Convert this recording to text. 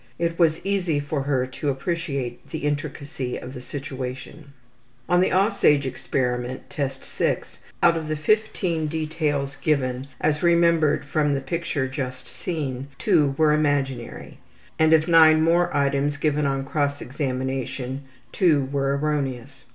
It was easy for her to appreciate the intricacy of the situation. On the ``Aussage'' experiment, Test VI, out of 15 details given as remembered from the picture just seen two were imaginary, and of 9 more items given on cross examination two were erroneous.